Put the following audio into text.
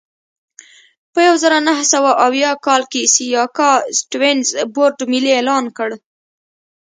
په یوه زرو نهه سوه اویا کال کې سیاکا سټیونز بورډ ملي اعلان کړ.